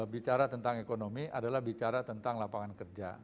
bicara tentang ekonomi adalah bicara tentang lapangan kerja